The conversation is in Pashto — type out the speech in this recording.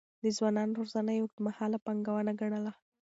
د ځوانانو روزنه يې اوږدمهاله پانګونه ګڼله.